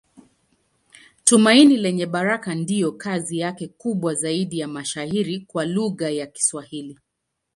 Tumaini Lenye Baraka ndiyo kazi yake kubwa zaidi ya mashairi kwa lugha ya Kiswahili.